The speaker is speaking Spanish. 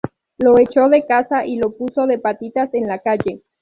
Lo echó de casa y lo puso de patitas en la calle